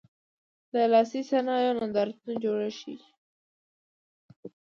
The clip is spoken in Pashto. د لاسي صنایعو نندارتونونه جوړیږي؟